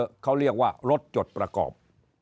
มีคนเยอะเขาเรียกว่ารถจดประกอบ